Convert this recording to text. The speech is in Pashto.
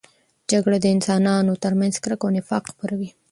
جګړه د انسانانو ترمنځ کرکه او نفاق خپروي.